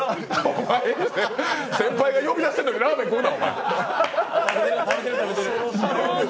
お前、先輩が呼び出してるのにラーメン食うな！